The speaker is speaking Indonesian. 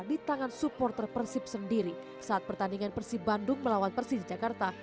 di tangan supporter persib sendiri saat pertandingan persib bandung melawan persija jakarta